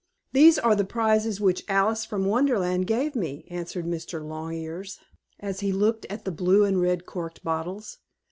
"These are the prizes which Alice from Wonderland gave me," answered Mr. Longears, as he looked at the blue and red corked bottles.